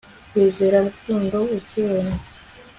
wizera urukundo ukibona